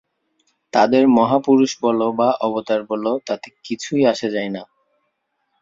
তাঁদের মহাপুরুষ বল বা অবতার বল, তাতে কিছুই আসে যায় না।